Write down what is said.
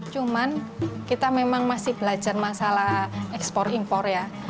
cuman kita memang masih belajar masalah ekspor impor ya